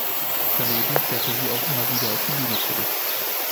Daneben kehrte sie auch immer wieder auf die Bühne zurück.